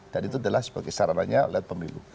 dan itu adalah sebagai sarananya oleh pemilu